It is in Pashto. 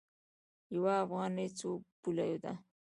یوه افغانۍ څو پوله ده؟